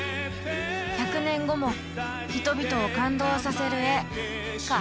「１００年後も人々を感動させる絵」か。